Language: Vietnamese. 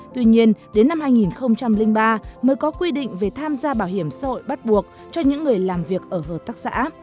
tuy nhiên đến năm hai nghìn ba mới có quy định về tham gia bảo hiểm xã hội bắt buộc cho những người làm việc ở hợp tác xã